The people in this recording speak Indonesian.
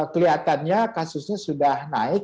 kelihatannya kasusnya sudah naik